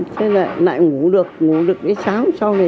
thế lại lại ngủ được ngủ được đến sáng sau này dậy